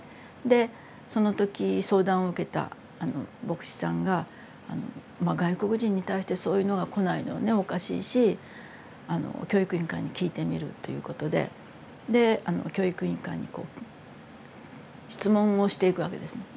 でその時相談を受けた牧師さんが外国人に対してそういうのが来ないのはおかしいし教育委員会に聞いてみるということでで教育委員会にこう質問をしていくわけですね。